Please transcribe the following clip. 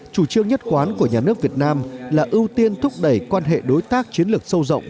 chủ trương nhất quán của nhà nước việt nam là ưu tiên thúc đẩy quan hệ đối tác chiến lược sâu rộng